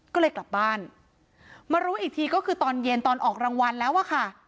ก็เลยกลับบ้านมารู้อีกทีก็คือตอนเย็นตอนออกรางวัลแล้วอะค่ะ